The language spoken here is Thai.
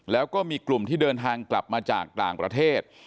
แล้วก็มีกลุ่มที่เดินทางกลับมาจากต่างประเทศ